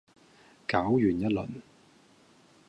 攪完一輪